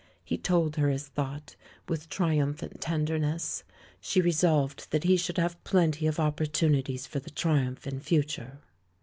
He told her his thought, with tri umphant tenderness. She resolved that he should have plenty of opportunities for the triumph in future.